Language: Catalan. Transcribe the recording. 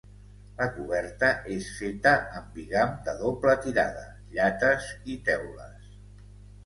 La coberta és feta amb bigam de doble tirada, llates i teules.